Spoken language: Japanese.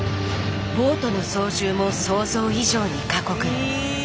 ボートの操縦も想像以上に過酷。